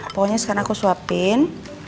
pokoknya sekarang aku suapin